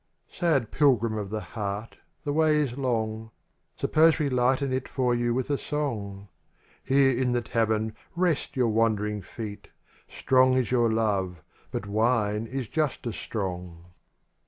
^AD pilgrim of the heart, the way is long. Suppose we lighten it for you with a song; Here in the tavern rest your wandering feet. Strong is your love, but wine is just as strong.